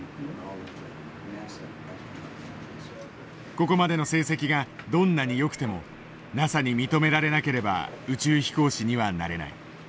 ここまでの成績がどんなによくてもＮＡＳＡに認められなければ宇宙飛行士にはなれない。